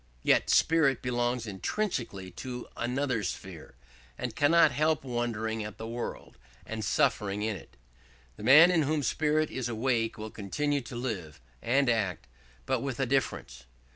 Yet spirit belongs intrinsically to another sphere, and cannot help wondering at the world, and suffering in it. The man in whom spirit is awake will continue to live and act, but with a difference.